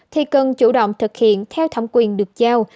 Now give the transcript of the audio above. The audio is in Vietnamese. thì cần chủ động thực hiện theo thẩm quyền được giao